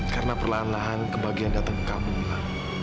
karena perlahan lahan kebahagiaan datang ke kamu mila